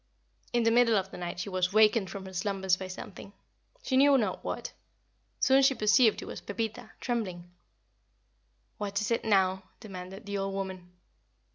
In the middle of the night she was wakened from her slumbers by something she knew not what. Soon she perceived it was Pepita, trembling. "What is it now?" demanded the old woman.